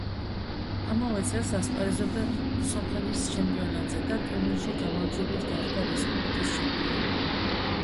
ამავე წელს ასპარეზობდა სომხეთის ჩემპიონატზე და ტურნირში გამარჯვებით გახდა რესპუბლიკის ჩემპიონი.